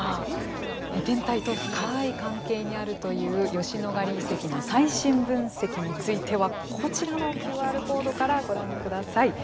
天体と深い関係にあるという吉野ヶ里遺跡の最新分析についてはこちらのＱＲコードからご覧ください。